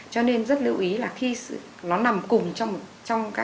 cho nên rất lưu ý là khi nó nằm cùng trong